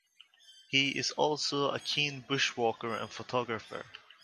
He is also a keen bushwalker and photographer.